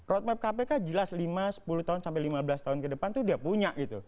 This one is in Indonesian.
roadmap kpk jelas lima sepuluh tahun sampai lima belas tahun ke depan tuh dia punya gitu